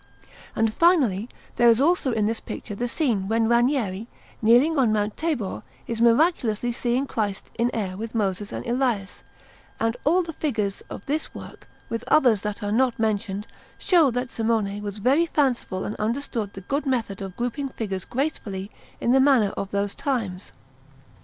And finally, there is also in this picture the scene when Ranieri, kneeling on Mount Tabor, is miraculously seeing Christ in air with Moses and Elias; and all the features of this work, with others that are not mentioned, show that Simone was very fanciful and understood the good method of grouping figures gracefully in the manner of those times.